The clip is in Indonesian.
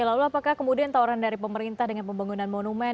lalu apakah kemudian tawaran dari pemerintah dengan pembangunan monumen